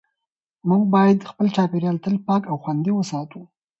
موږ باید خپل چاپېریال تل پاک او خوندي وساتو